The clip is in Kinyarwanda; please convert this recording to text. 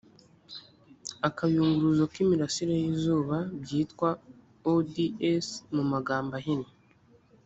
akayunguruzo k’imirasire y izuba byitwa ods mu magambo ahinnye